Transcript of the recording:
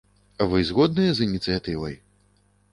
Вы згодныя з ініцыятывай?